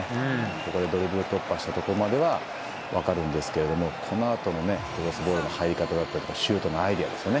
ここでドリブル突破したとこまでは分かるんですけれどもこのあとのクロスボールの入り方だったりとかシュートのアイデアですよね。